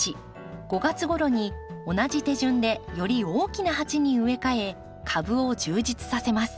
５月ごろに同じ手順でより大きな鉢に植え替え株を充実させます。